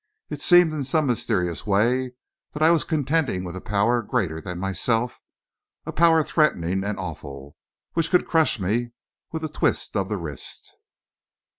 It seemed, in some mysterious way, that I was contending with a power greater than myself, a power threatening and awful, which could crush me with a turn of the wrist.